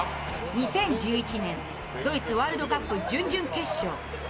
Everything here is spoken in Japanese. ２０１１年、ドイツワールドカップ準々決勝。